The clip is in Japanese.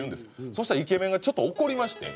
そしたらイケメンがちょっと怒りまして。